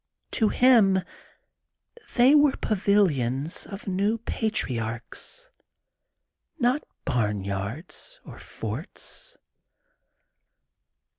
To him they were pavilions of new patriarchs, not barnyards or forts."